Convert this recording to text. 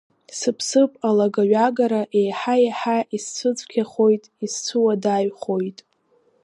Сыԥсыԥ алагаҩагара еиҳа-еиҳа исцәыцәгьахоит, исцәуадаҩхоит.